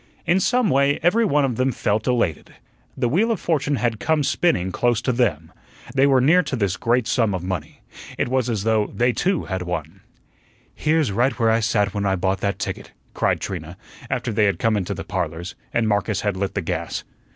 In some way every one of them felt elated. The wheel of fortune had come spinning close to them. They were near to this great sum of money. It was as though they too had won. "Here's right where I sat when I bought that ticket," cried Trina, after they had come into the "Parlors," and Marcus had lit the gas.